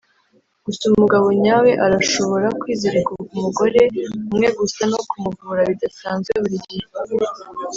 gusa umugabo nyawe arashobora kwizirika kumugore umwe gusa no kumuvura bidasanzwe, burigihe.